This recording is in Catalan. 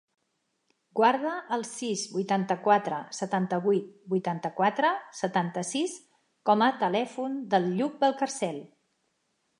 Guarda el sis, vuitanta-quatre, setanta-vuit, vuitanta-quatre, setanta-sis com a telèfon del Lluc Valcarcel.